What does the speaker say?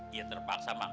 dia terpaksa mak